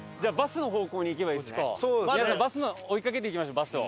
皆さんバス追いかけていきましょうバスを。